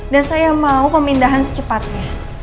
dan saya mau pemindahan secepatnya